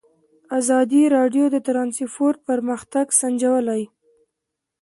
ازادي راډیو د ترانسپورټ پرمختګ سنجولی.